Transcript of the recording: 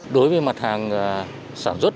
đối với mặt hàng sản xuất